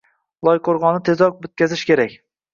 Loyqo‘rg‘onni tezroq bitkazish kerak